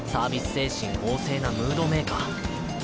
精神旺盛なムードメーカー